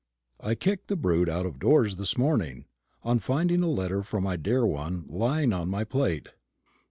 I kicked the brute out of doors this morning, on finding a letter from my dear one lying in my plate.